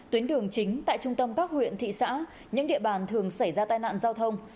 tuyến đường chính tại trung tâm các huyện thị xã những địa bàn thường xảy ra tai nạn giao thông